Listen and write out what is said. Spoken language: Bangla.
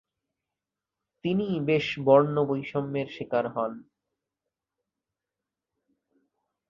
তিনি বেশ বর্ণবৈষম্যের শিকার হন।